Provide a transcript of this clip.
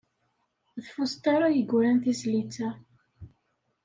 D Foster ay yuran tizlit-a.